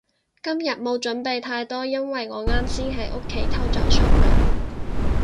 今日冇準備太多，因為我啱先喺屋企偷走出嚟